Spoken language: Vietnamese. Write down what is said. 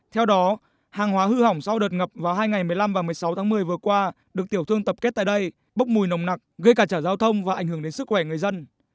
theo đó hàng hóa hư hỏng sau đợt ngập vào hai ngày một mươi năm và một mươi sáu tháng một mươi vừa qua được tiểu thương tập kết tại đây bốc mùi nồng nặc gây cả trả giao thông và ảnh hưởng đến sức khỏe người dân